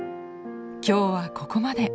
今日はここまで。